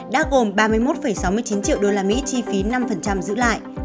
đã gồm ba mươi một sáu mươi chín triệu usd chi phí năm giữ lại